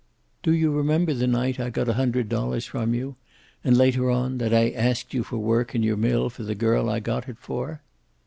"Do you remember the night I got a hundred dollars from you? And later on, that I asked you for work in your mill for the girl I got it for?"